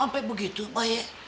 ampe begitu mak ya